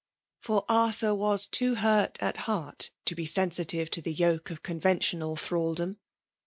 For Arthur was too hurt at heart to be sensitive to the yoke of conventional thraldom.